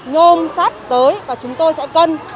nhôm sắt tới và chúng tôi sẽ cân